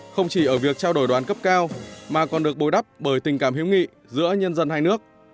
không chỉ ở việc trao đổi đoàn cấp cao mà còn được bối đắp bởi tình cảm hữu nghị giữa nhân dân hai nước